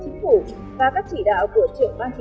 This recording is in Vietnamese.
đối với nhóm mặt hàng